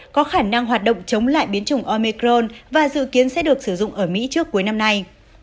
có khả năng hoạt động chống lại biến chủng omecron và dự kiến sẽ được sử dụng ở mỹ trước cuối năm nay